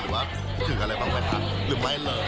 ว่าคิดถึงอะไรบ้างไหมคะหรือไม่เลย